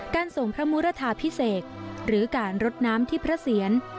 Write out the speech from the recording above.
ส่งพระมุรทาพิเศษหรือการรดน้ำที่พระเสียร